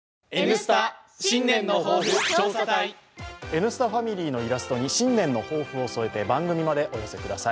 「Ｎスタ」ファミリーのイラストに信念の抱負を添えて番組までお寄せください。